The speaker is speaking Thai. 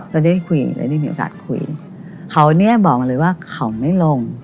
จะได้คุยและได้มีโอกาสคุยเขาเนี่ยบอกเลยว่าเขาไม่ลง